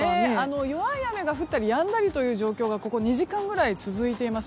弱い雨が降ったりやんだりしている状況がここ２時間ぐらい続いています。